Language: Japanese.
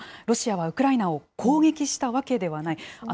ロシアはウクライナを攻撃したわけではない。